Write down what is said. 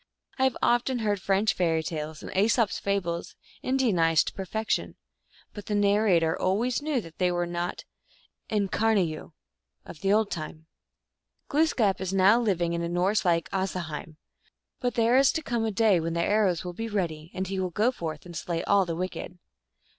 I have often heard French fairy tales and 2Esop s fables In dianized to perfection, but the narrator always knew that they were not N Karnayoo, " of the old time." Glooskap is now living in a Norse like Asa heim ; but there is to come a day when the arrows will be ready, and he will go forth and slay all the wicked.